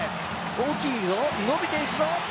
大きいぞ、伸びていくぞ。